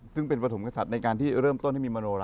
ซึ่งเป็นปฐมกษัตริย์ในการที่เริ่มต้นให้มีมโนรา